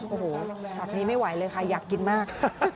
โอ้โหช็อตนี้ไม่ไหวเลยค่ะอยากกินมาก